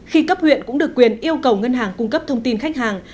khi cấp huyện cũng được quyền yêu cầu ngân hàng cung cấp thông tin khách hàng